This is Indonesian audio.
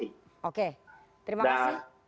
baik baik oke terima kasih